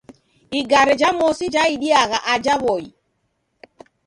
Igare ja mosi jaidiagha aja W'oi.